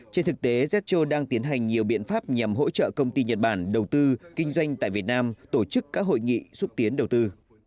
trên thực tế zetcho đang tiến hành nhiều biện pháp nhằm hỗ trợ công ty nhật bản đầu tư kinh doanh tại việt nam tổ chức các hội nghị xúc tiến đầu tư